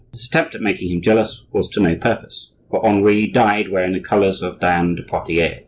This attempt at making him jealous was to no purpose, for Henri died wearing the colors of Diane de Poitiers.